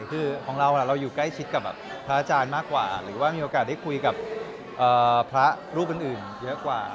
คือของเราเราอยู่ใกล้ชิดกับพระอาจารย์มากกว่าหรือว่ามีโอกาสได้คุยกับพระรูปอื่นเยอะกว่า